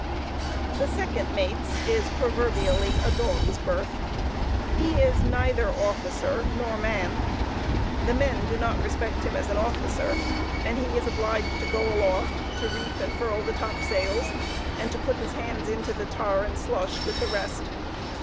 The second mate's is proverbially a dog's berth. He is neither officer nor man. The men do not respect him as an officer, and he is obliged to go aloft to reef and furl the topsails, and to put his hands into the tar and slush, with the rest.